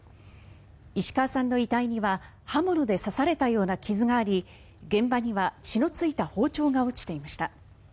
石川さんの遺体には刃物で刺されたような傷があり現場には血のついた包丁が落ちていました。